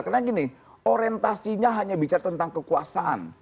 karena gini orientasinya hanya bicara tentang kekuasaan